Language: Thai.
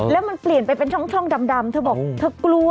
แล้วมันเปลี่ยนไปเป็นช่องดำเธอบอกเธอกลัว